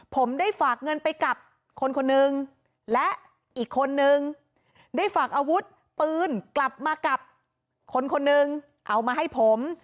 ผมได้ฝากเงินไปกับคนคนนึงและอีกคนนึงได้ฝากอาวุธปืนกลับมากับคนคนนึงเอามาให้ผม